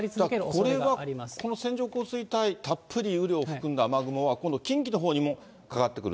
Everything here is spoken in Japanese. これはこの線状降水帯、たっぷり雨量を含んだ雨雲は今度、近畿のほうにもかかってくる。